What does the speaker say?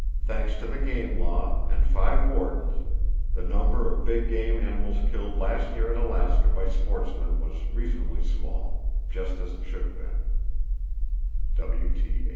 Thanks to the game law, and five wardens, the number of big game animals killed last year in Alaska by sportsmen was reasonably small,—just as it should have been.